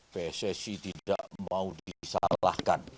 pssi tidak mau disalahkan